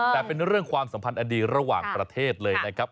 แต่เป็นเรื่องความสัมพันธ์อดีตระหว่างประเทศเลยนะครับ